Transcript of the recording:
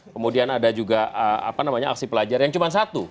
kemudian ada juga aksi pelajar yang cuma satu